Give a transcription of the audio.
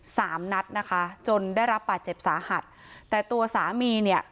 สามนัดนะคะจนได้รับบาดเจ็บสาหัสแต่ตัวสามีเนี่ย